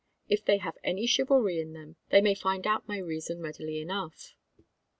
If they have any chivalry in them, they may find out my reason readily enough."